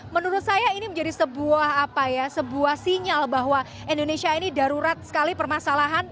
menurut saya ini menjadi sebuah sinyal bahwa indonesia ini darurat sekali permasalahan